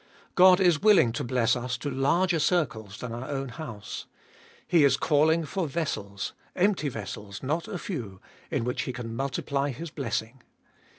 God is willing to bless us to larger circles than our own house. He is calling for vessels, empty vessels not a few, in which He can multiply his blessing.